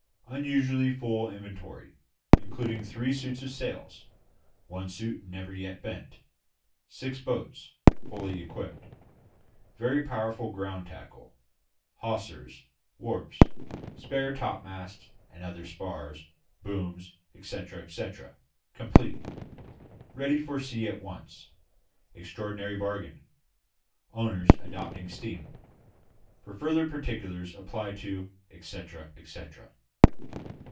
Unusually full inventory, including three suits of sails (one suit never yet bent), 6 boats, fully equipped; very powerful ground tackle; hawsers, warps; spare topmasts and other spars, booms, etcetera, etcetera, complete. Ready for sea at once. Extraordinary bargain; owners adopting steam. For further particulars apply to, etcetera, etcetera."